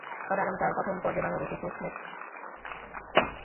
তবে আগামীকাল প্রথম পর্বে বাংলাদেশের শেষ ম্যাচের জন্য রাখা হয়েছে তাসকিনকে।